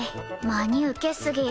真に受けすぎ。